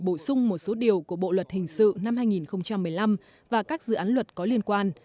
bổ sung một số điều của bộ luật hình sự năm hai nghìn một mươi năm và các dự án luật có liên quan